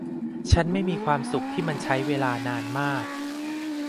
ฉันไม่มีความสุขที่มันใช้เวลานานมาก